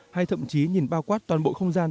hay thậm chí nhìn bao quát toàn bộ không gian